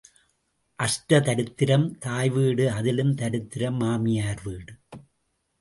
அஷ்ட தரித்திரம் தாய் வீடு அதிலும் தரித்திரம் மாமியார் வீடு.